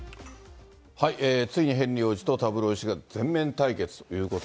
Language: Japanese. ついにヘンリー王子とタブロイド紙が全面対決ということ